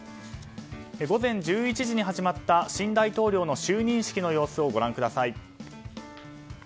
午前１１時に始まった新大統領の就任式の様子をご覧ください。